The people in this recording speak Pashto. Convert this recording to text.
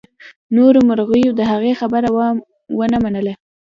نورو مرغیو د هغې خبره ونه منله.